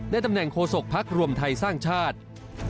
ในตำแหน่งโคศกพักรวมไทยสร้างชาติ